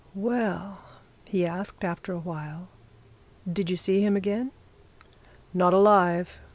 "Well," he asked, after a while, "did you see him again?" "Not alive!"